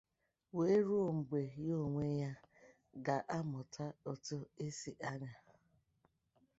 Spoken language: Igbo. we ruo mgbe ya onwe ya ga-amụta otu e si anyà.